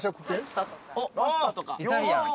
イタリアン。